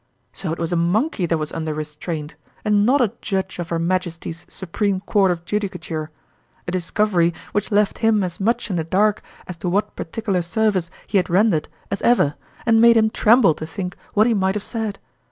So it was a monkey that was under restraint and not a Judge of her Majesty's Supreme Court of Judicature ; a discovery which left him as much in the dark as to what particular service he had rendered as ever, and made him tremble to think what he might have said.